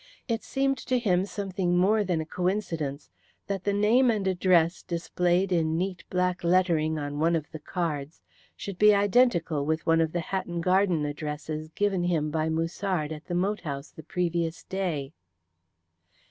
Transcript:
It seemed to him something more than a coincidence that the name and address displayed in neat black lettering on one of the cards should be identical with one of the Hatton Garden addresses given him by Musard at the moat house the previous day.